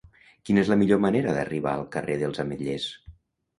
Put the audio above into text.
Quina és la millor manera d'arribar al carrer dels Ametllers?